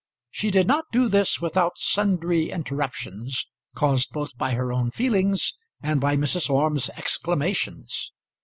She did not do this without sundry interruptions, caused both by her own feelings and by Mrs. Orme's exclamations.